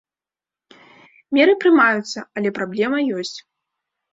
Меры прымаюцца, але праблема ёсць.